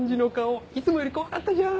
いつもより怖かったじゃん。